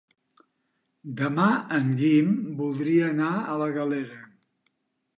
Demà en Guim voldria anar a la Galera.